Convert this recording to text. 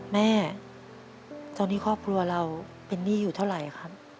แม่ตอนนี้ครอบครัวเราเป็นหนี้อยู่เท่าไหร่ครับ